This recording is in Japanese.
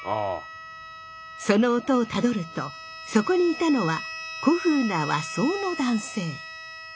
その音をたどるとそこにいたのは古風な和装の男性。